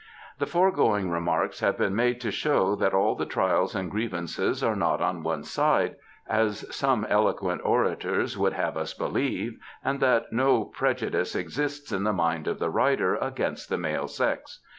The foregoing remarks have been made to show that all the trials and grievances are not on one side, as some eloquent orators would have us believe, and that no pre judice exists in the mind of the writer against the male sex.